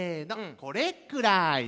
「これくらいの」。